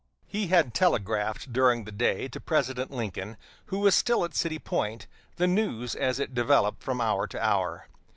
He had telegraphed during the day to President Lincoln, who was still at City Point, the news as it developed from hour to hour.